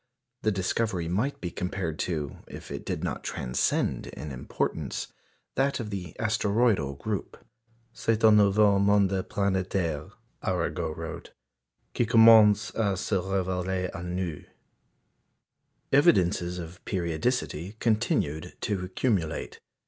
The discovery might be compared to, if it did not transcend in importance, that of the asteroidal group. "C'est un nouveau monde planétaire," Arago wrote, "qui commence à se révéler à nous." Evidences of periodicity continued to accumulate.